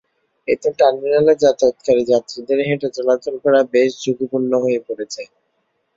এতে টার্মিনালে যাতায়াতকারী যাত্রীদের হেঁটে চলাচল করা বেশ ঝুঁকিপূর্ণ হয়ে পড়েছে।